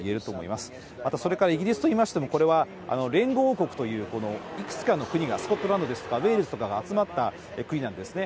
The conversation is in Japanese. また、それからイギリスといいましても、これは連合王国という、いくつかの国が、スコットランドですとか、ウェールズとかが集まった国なんですね。